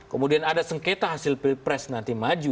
kemudian ada sengketa hasil pilpres nanti maju